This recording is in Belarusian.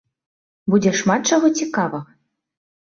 Будзе шмат чаго цікавага!